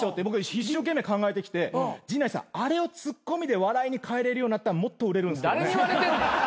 僕一生懸命考えてきて陣内さんあれをツッコミで笑いに変えれるようになったらもっと売れるんすけどね。